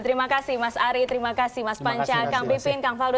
terima kasih mas ari terima kasih mas panca kang pipin kang faldo